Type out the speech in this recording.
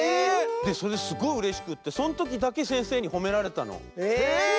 それですごいうれしくってそのときだけせんせいにほめられたの。